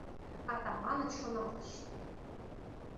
Атаманыч шоналтыш.